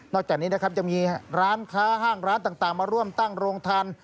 นอกจากนี้จะมีร้านค้าห้างร้านต่างมาร่วมตั้งโรงทัน